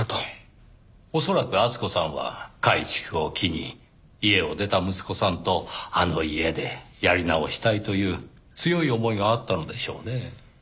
恐らく厚子さんは改築を機に家を出た息子さんとあの家でやり直したいという強い思いがあったのでしょうねぇ。